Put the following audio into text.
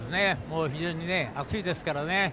非常に暑いですからね。